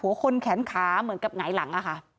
หัวคนแขนขาเหมือนกับหงายหลัง